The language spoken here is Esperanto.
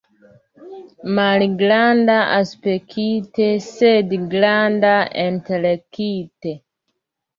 Malgranda aspekte, sed granda intelekte.